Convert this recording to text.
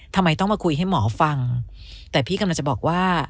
ทำไมต้องมาคุยให้หมอฟังแต่พี่กำลังจะบอกว่า